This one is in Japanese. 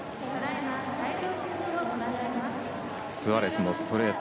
スアレスのストレート。